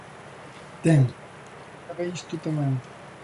Ten, leva isto tamén.